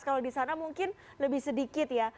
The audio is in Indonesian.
kalau di sana mungkin lebih sedikit ya